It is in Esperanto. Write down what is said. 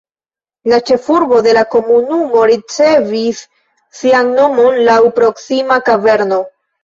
La ĉefurbo de la komunumo ricevis sian nomon laŭ proksima kaverno.